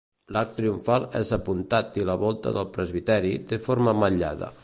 L'arc triomfal és apuntat i la volta del presbiteri, té forma ametllada.